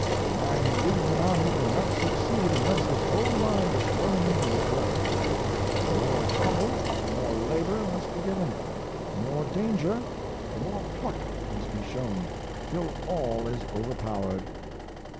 The man who leads an army can not succeed unless his whole mind is thrown into his work. The more trouble, the 282 The Indian S wordsinan. more labor must be given; the more danger, the more pluck must be shown, till all is overpowered."